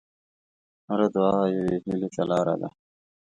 هره دعا یوه هیلې ته لاره ده.